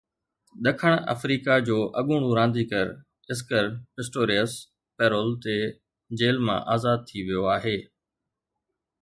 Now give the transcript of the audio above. ڏکڻ آفريڪا جو اڳوڻو رانديگر اسڪر پسٽوريئس پيرول تي جيل مان آزاد ٿي ويو آهي